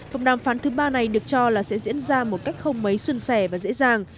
vòng đàm phán thứ ba này được cho là sẽ diễn ra một cách không mấy xuân sẻ và dễ dàng